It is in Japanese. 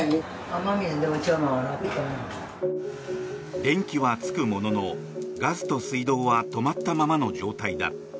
電気はつくもののガスと水道は止まったままの状態だ。